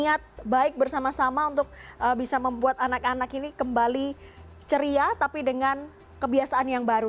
dan juga niat baik bersama sama untuk bisa membuat anak anak ini kembali ceria tapi dengan kebiasaan yang baru